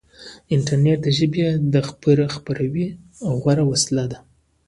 انټرنیټ د ژبې د خپراوي غوره وسیله ده.